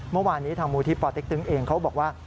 เมื่อวานนี้ทางมูลที่ปเต็กตึงเองเขาบอกว่า